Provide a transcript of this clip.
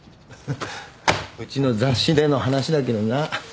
うちの雑誌での話だけどな。